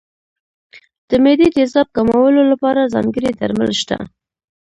د معدې تېزاب کمولو لپاره ځانګړي درمل شته.